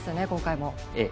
今回も。